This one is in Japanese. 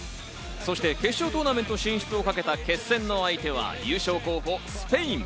そして決勝トーナメント進出をかけた決戦の相手は優勝候補・スペイン。